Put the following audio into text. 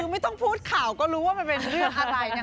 ไม่ต้องพูดข่าวก็รู้ว่ามันเป็นเรื่องอะไรนะคะ